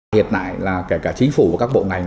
hiện tại là kể cả chính phủ và các bộ ngành